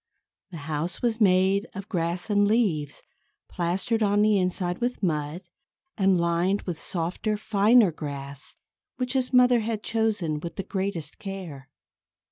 The house was made of grass and leaves, plastered on the inside with mud, and lined with softer, finer grass, which his mother had chosen with the greatest care.